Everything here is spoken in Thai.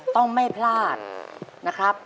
ต้องไม่พลาดนะครับ